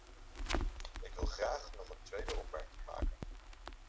Ik wil graag nog een tweede opmerking maken.